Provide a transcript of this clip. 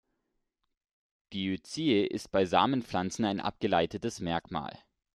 Diözie ist bei Samenpflanzen ein abgeleitetes Merkmal.